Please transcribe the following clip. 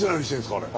あれ。